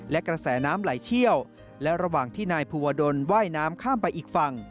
และกระแสน้ำไหลเชี่ยวและระหว่างที่นายภูวดลว่ายน้ำข้ามไปอีกฝั่ง